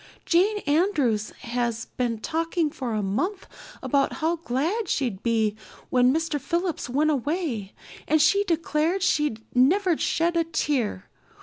Jane Andrews has been talking for a month about how glad she'd be when Mr. Phillips went away and she declared she'd never shed a tear.